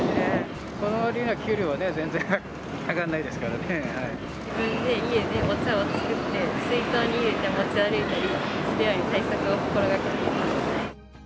その割には、給料は全然上が自分で家でお茶を作って、水筒に入れて持ち歩いたりするように、対策を心がけています。